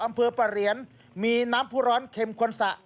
อำเภอประเหรียญมีน้ำพูร้อนเข็มควรสะ